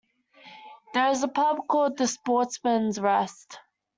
There is a pub called "The Sportsman's Rest".